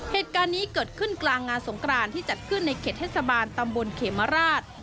เหตุการณ์นี้เกิดขึ้นกลางงานสงกรานที่จัดขึ้นในเขตเทศบาลตำบลเขมราช